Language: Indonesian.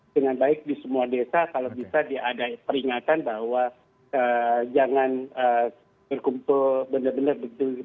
dengan baik di semua desa kalau bisa diadai peringatan bahwa jangan berkumpul benar benar